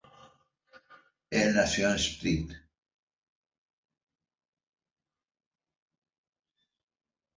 Él nació en St.